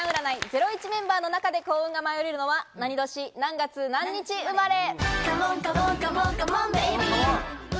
『ゼロイチ』メンバーの中で幸運が舞い降りるのは何年、何月、何日生まれ？